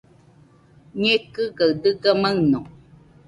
Ñekɨgaɨ dɨga maɨno